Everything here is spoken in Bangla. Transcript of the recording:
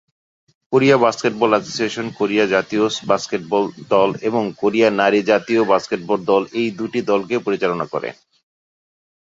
কোরিয়া বাস্কেটবল অ্যাসোসিয়েশন কোরিয়া জাতীয় বাস্কেটবল দল এবং কোরিয়া নারী জাতীয় বাস্কেটবল দল এই দুইটি দলকে পরিচালনা করেন।